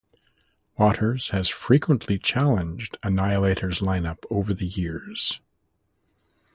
Waters has frequently changed Annihilator's line-up over the years.